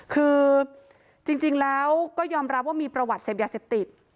คือจริงแล้วก็ยอมรับว่ามีประวัติเสพยาเสพติด